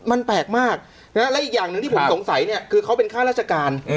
มันแปลกมากและอีกอย่างหนึ่งที่ผมสงสัยเนี่ยคือเขาเป็นค่าราชการ